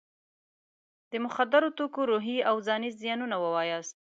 د مخدره توکو روحي او ځاني زیانونه ووایاست.